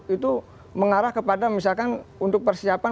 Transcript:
itu mengarah kepada misalkan untuk persiapan